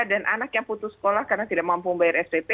dan anak yang putus sekolah karena tidak mampu membayar spt